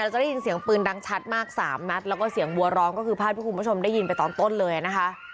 จะได้ยินเสียงปืนดังชัดมากสามนัดแล้วก็เสียงบัวร้องก็คือภาพที่คุณผู้ชมได้ยินไปตอนต้นเลยนะคะ